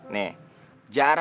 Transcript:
nih jangan gitu ya